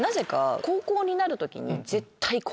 高校になる時に。